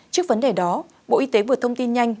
trước vấn đề đó bộ y tế vừa thông tin nhanh